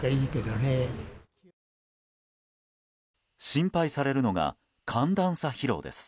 心配されるのが寒暖差疲労です。